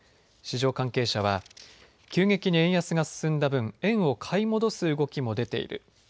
市場関係者は急激に円安が進んだ分、円を買い戻す動きも出ている。